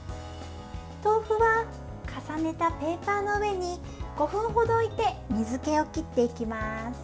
豆腐は重ねたペーパーの上に５分程置いて水けを切っていきます。